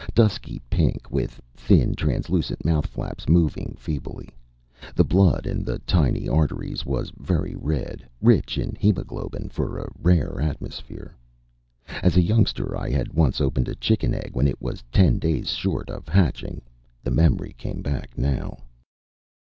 Dusky pink, with thin, translucent mouth flaps moving feebly. The blood in the tiny arteries was very red rich in hemoglobin, for a rare atmosphere. As a youngster, I had once opened a chicken egg, when it was ten days short of hatching. The memory came back now.